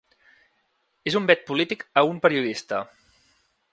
És un vet polític a un periodista.